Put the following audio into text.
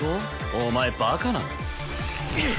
お前バカなの？